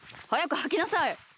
はやくはきなさい！